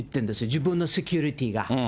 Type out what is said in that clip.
自分のセキュリティーが。